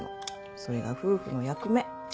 それが夫婦の役目。